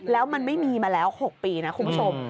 แล้วมันไม่มีมาแล้ว๖ปีนะคุณผู้ชม